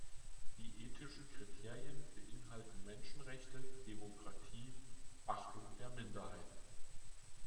Die ethischen Kriterien beinhalten Menschenrechte, Demokratie, Achtung der Minderheiten.